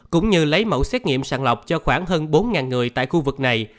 cũng như lấy mẫu xét nghiệm sàng lọc cho khoảng hơn bốn người tại khu vực này